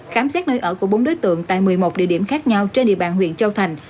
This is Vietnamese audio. khám xét nơi ở của bốn đối tượng tại một mươi một địa điểm khác nhau trên địa bàn huyện châu thành